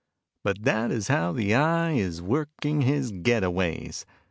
"But that is how the Eye is working his get aways.